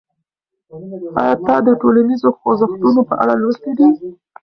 آیا تا د ټولنیزو خوځښتونو په اړه لوستي دي؟